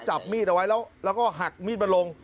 จับมีดเอาไว้แล้วหักมีดมาลง